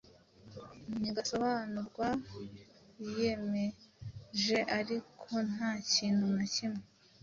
ntigasobanurwa Biyemejearikontakintu na kimwe